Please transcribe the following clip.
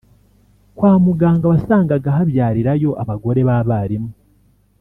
kwa muganga wasangaga habyarirayo abagore b’abarimu